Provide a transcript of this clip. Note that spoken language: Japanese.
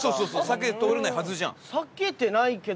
避けて通れないはずじゃん。